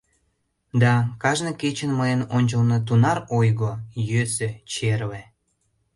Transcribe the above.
Да кажне кечын мыйын ончылно тунар ойго, йӧсӧ, черле!